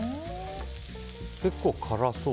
結構、辛そう。